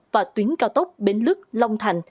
và tuyến cao tốc bến lức lòng thành